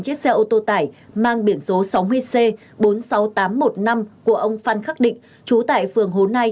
chiếc xe ô tô tải mang biển số sáu mươi c bốn mươi sáu nghìn tám trăm một mươi năm của ông phan khắc định chú tại phường hố nai